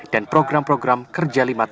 dan program program kerja lima tahun